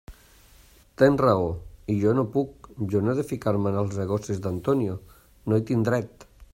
Tens raó; i jo no puc, jo no he de ficar-me en els negocis d'Antonio; no hi tinc dret.